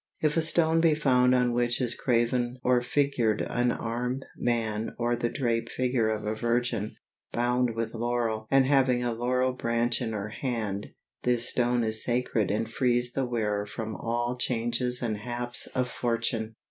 If a stone be found on which is graven or figured an armed man or the draped figure of a virgin, bound with laurel and having a laurel branch in her hand, this stone is sacred and frees the wearer from all changes and haps of fortune.